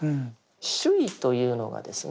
「守意」というのがですね